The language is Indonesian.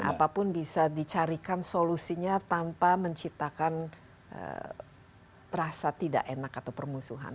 apapun bisa dicarikan solusinya tanpa menciptakan rasa tidak enak atau permusuhan